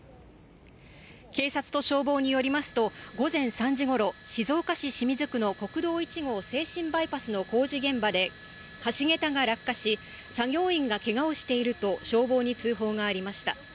警察と消防によりますと午前３時ごろ、静岡市清水区の国道１号静清バイパスの工事現場で、橋げたが落下し、作業員がけがをしていると消防に通報がありました。